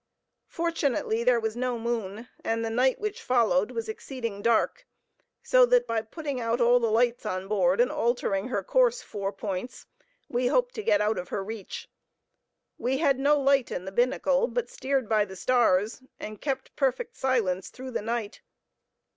Fortunately there was no moon, and the night which followed was exceeding dark, so that by putting out all the lights on board and altering her course four points, we hoped to get out of her reach. We had no light in the binnacle, but steered by the stars, and kept perfect silence through the night.